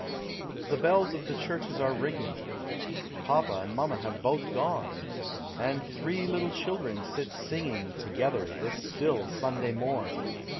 The bells of the churches are ringing, — Papa and mamma have both gone — And three little children sit singing Together this still Sunday morn.